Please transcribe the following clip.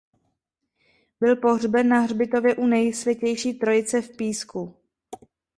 Byl pohřben na hřbitově u Nejsvětější Trojice v Písku.